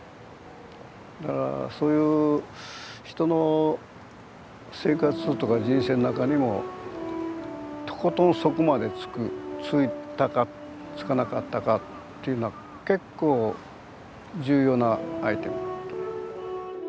だからそういう人の生活とか人生の中にもとことん底までつくついたかつかなかったかっていうのは結構重要なアイテム。